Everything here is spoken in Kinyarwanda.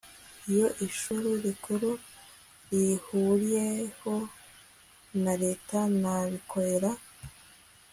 iyo ishuri rikuru rihuriweho na leta n abikorera